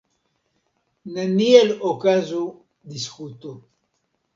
Neniel okazu diskuto.